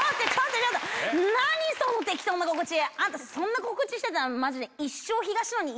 あんたそんな告知してたら。